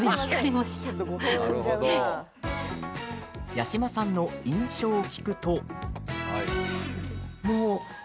八嶋さんの印象を聞くと。